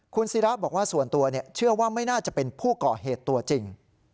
คุณศิราบอกว่าส่วนตัวเชื่อว่าไม่น่าจะเป็นผู้ก่อเหตุตัวจริง